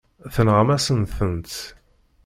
Tenɣam-asen-tent.